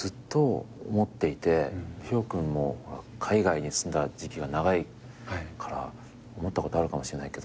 氷魚君も海外に住んでた時期が長いから思ったことあるかもしれないけど